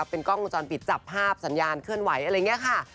เป็นกล้องวงจรปิดจับภาพสัญญาณเคลื่อนไหวอะไรอย่างนี้ค่ะ